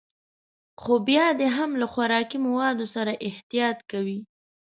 خو بيا دې هم له خوراکي موادو سره احتياط کوي.